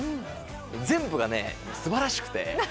全部が素晴らしくて。